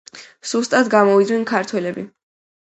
სუსტად გამოვიდნენ ქართველები.